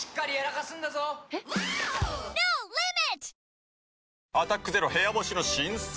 新「一番搾り」「アタックＺＥＲＯ部屋干し」の新作。